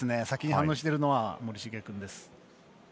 先に反応しているのは森重君です。